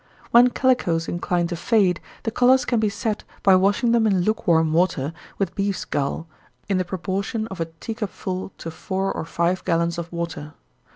When calicoes incline to fade, the colors can be set by washing them in lukewarm water, with beef's gall, in the proportion of a tea cup full to four or five gallons of water.